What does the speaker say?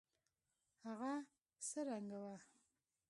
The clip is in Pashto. هغه څه رنګه وه.